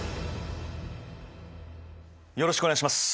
よろしくお願いします。